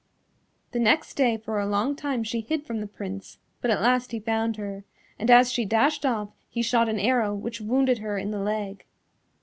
The next day for a long time she hid from the Prince, but at last he found her, and as she dashed off he shot an arrow which wounded her in the leg.